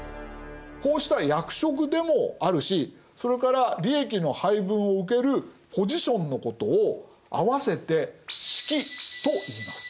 こうした役職でもあるしそれから利益の配分を受けるポジションのことを合わせて「職」といいます。